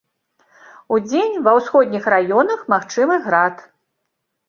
Удзень ва ўсходніх раёнах магчымы град.